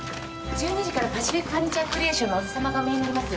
１２時から「パシフィックファニチャークリエーション」の小津さまがおみえになります。